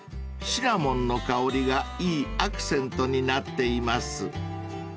［シナモンの香りがいいアクセントになっています］